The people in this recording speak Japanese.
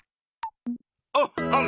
おっほん。